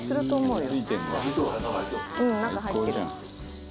うん中入ってる。